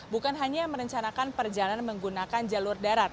bukan hanya merencanakan perjalanan menggunakan jalur darat